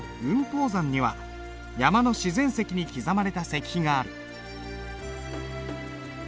峰山には山の自然石に刻まれた石碑がある。